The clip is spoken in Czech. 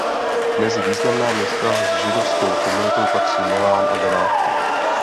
Mezi významná města s židovskou komunitou patří Milán a Benátky.